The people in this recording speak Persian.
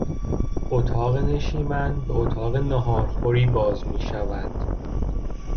اتاق نشیمن به اتاق نهار خوری باز میشود.